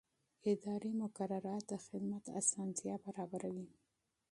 اداري مقررات د خدمت اسانتیا برابروي.